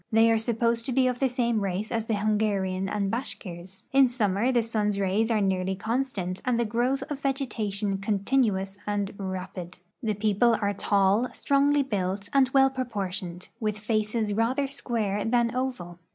They are supposed to be of the same race as the Hungarian and Bashkirs. In summer the sun's rays are nearly constant, and the growth of vegetation continuous and ra})id. The people are tall, strongly built, and well proportioned, with faces rather square than oval.